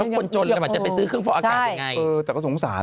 ต้องควรจนกว่าจะไปซื้อเครื่องพอกอากาศยังไง